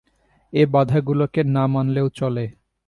এ বাধাগুলোকে না মানলেও চলে।